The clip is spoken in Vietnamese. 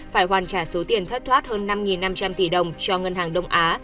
phải hoàn trả số tiền thất thoát hơn năm năm trăm linh tỷ đồng cho ngân hàng đông á